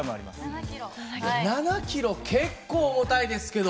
７キロ結構重たいですけど。